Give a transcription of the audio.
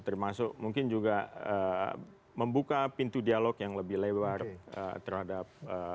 termasuk mungkin juga membuka pintu dialog yang lebih lebar terhadap